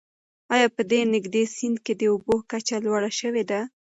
آیا په دې نږدې سیند کې د اوبو کچه لوړه شوې ده؟